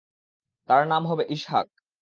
তার নাম হবে ইসহাক।